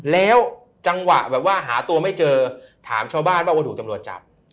แล้วจังหวะแบบว่าหาตัวไม่เจอถามชาวบ้านว่าถูกตำรวจจับ